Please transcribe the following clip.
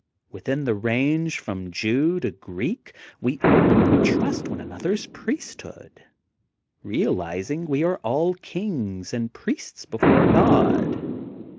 Within the range from Jew to Greek we openly trust one another's priesthood, realiz ing we are all kings and priests before God.